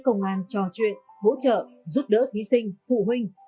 các nghệ sĩ công an trò chuyện hỗ trợ giúp đỡ thí sinh phụ huynh